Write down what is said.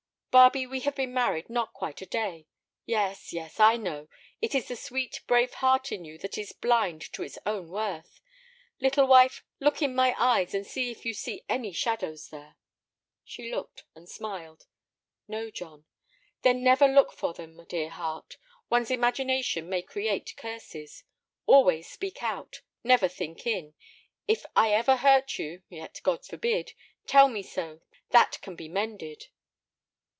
"Barbe, we have been married not quite a day. Yes—yes—I know. It is the sweet, brave heart in you that is blind to its own worth. Little wife, look in my eyes and see if you see any shadows there." She looked and smiled. "No, John." "Then never look for them, dear heart. One's imagination may create curses. Always speak out; never think in. If I ever hurt you—yet God forbid—tell me so; that can be mended."